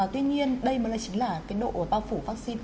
tuy nhiên đây mới đây chính là cái độ bao phủ vaccine